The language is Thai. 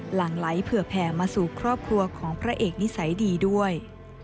หลังไหลเผื่อแผ่มาสู่ครอบครัวของพระเอกนิสัยดีด้วย